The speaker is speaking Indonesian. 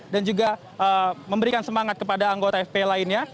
dan juga memberikan semangat kepada anggota fpi lainnya